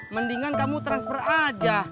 mendingan kamu transfer aja